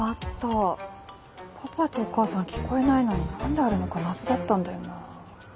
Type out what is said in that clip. パパとお母さん聞こえないのに何であるのか謎だったんだよな。